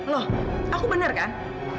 loh aku bener kan